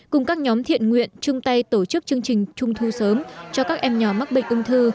cùng các nhóm thiện nguyện chung tay tổ chức chương trình trung thu sớm cho các em nhỏ mắc bệnh ung thư